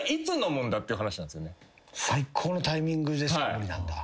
最高のタイミングでしか無理なんだ。